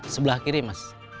sebelah kiri mas